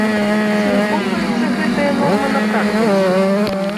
Ці выконваецца гэтая норма на практыцы?